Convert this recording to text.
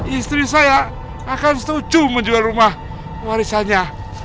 istri saya akan setuju menjual rumah warisannya